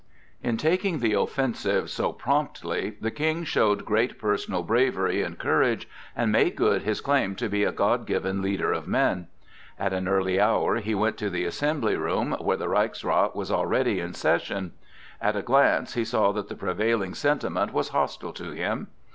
In taking the offensive so promptly, the King showed great personal bravery and courage, and made good his claim to be a God given leader of men. At an early hour he went to the Assembly Room, where the Reichsrath was already in session. At a glance he saw that the prevailing sentiment was hostile to him.